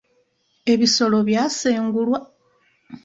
Ebisolo byasengulwa.